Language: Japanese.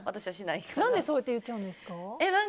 何でそう言っちゃうんですか？